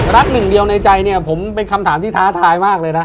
หนึ่งเดียวในใจเนี่ยผมเป็นคำถามที่ท้าทายมากเลยนะ